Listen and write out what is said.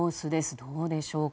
どうでしょうか。